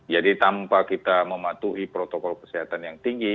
jadi tanpa kita mematuhi protokol kesehatan yang tinggi